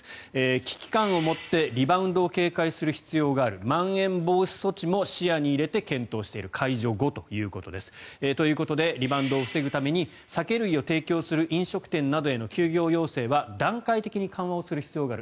危機感を持ってリバウンドを警戒する必要があるまん延防止措置も視野に入れて検討している解除後ということです。ということでリバウンドを防ぐために酒類を提供する飲食店などへの休業要請は段階的に緩和をする必要がある。